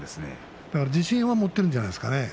自信を持っているんじゃないでしょうか。